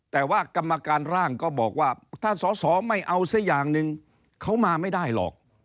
แต่ว่ากรรมการร่างก็บอกว่าถ้าสอสอไม่เอาซะอย่างหนึ่งเขามาไม่ได้หรอก